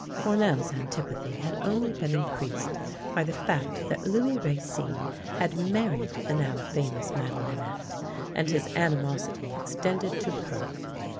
Fournel's antipathy had only been increased by the fact that Louis Racine had married the now famous Aladelinette, and his animosity extended to her.